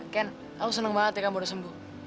ken aku seneng banget ya kamu udah sembuh